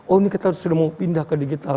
oh ini kita sudah mau pindah ke digital